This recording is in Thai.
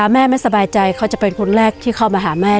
แม่ไม่สบายใจเขาจะเป็นคนแรกที่เข้ามาหาแม่